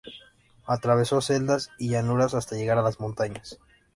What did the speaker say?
Atravesó selvas y llanuras hasta llegar a las montañas.